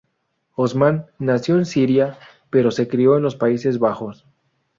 Osman nació en Siria, pero se crió en los Países Bajos.